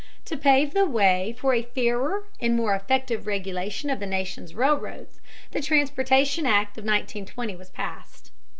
To pave the way for a fairer and more effective regulation of the nation's railroads, the Transportation Act of 1920 was passed.